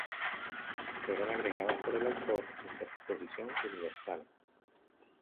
Fueron agregados por el autor en su "Exposición Universal".